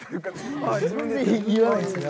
自分で言わないですね。